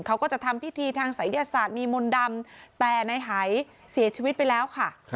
เขาก็จะทำพิธีทางศัยยศาสตร์มีมนต์ดำแต่ในหายเสียชีวิตไปแล้วค่ะ